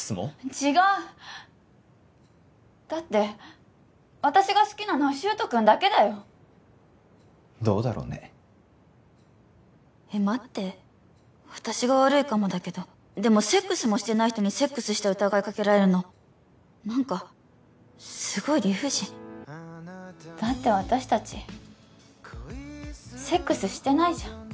違うだって私が好きなのは柊人君だけだよどうだろうねえっ待って私が悪いかもだけどでもセックスもしてない人にセックスした疑いかけられるの何かすごい理不尽だって私達セックスしてないじゃん